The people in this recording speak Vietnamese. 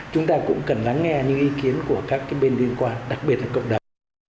chúng ta cũng cần lắng nghe những ý kiến của các bên liên quan đặc biệt là cộng đồng